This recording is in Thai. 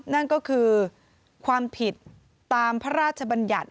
นั่นก็คือความผิดตามพระราชบัญญัติ